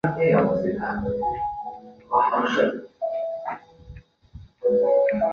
据琴曲解析为南宋郭楚望所作。